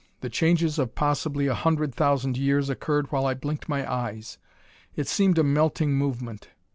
The changes of possibly a hundred thousand years occurred while I blinked my eyes. It seemed a melting movement.